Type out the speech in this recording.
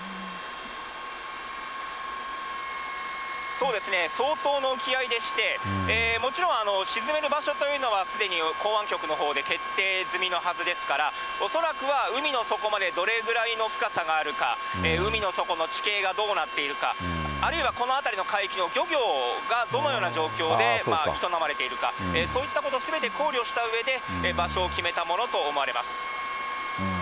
そうですね、相当の沖合でして、もちろん沈める場所というのは、すでに港湾局のほうで決定済みのはずですから、恐らくは海の底までどれぐらいの深さがあるか、海の底の地形がどうなっているか、あるいはこの辺りの海域の漁業がどのような状況で営まれているか、そういったことすべて考慮したうえで、場所を決めたものと思われます。